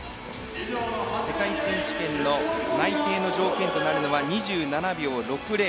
世界選手権の内定の条件となるのは２７秒６０。